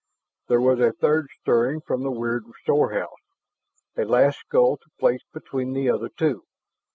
There was a third shifting from the weird storehouse, a last skull to place between the other two.